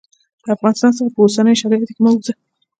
د افغانستان څخه په اوسنیو شرایطو کې مه ووزه.